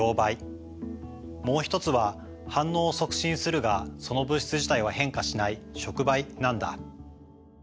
もう一つは反応を促進するがその物質自体は変化しない触媒なんだ。